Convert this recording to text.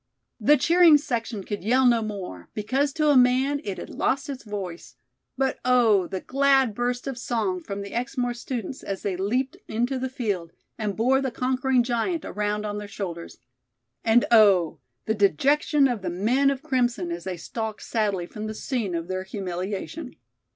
The cheering section could yell no more, because to a man it had lost its voice; but, oh, the glad burst of song from the Exmoor students as they leaped into the field and bore the conquering giant around on their shoulders. And, oh! the dejection of the men of crimson as they stalked sadly from the scene of their humiliation.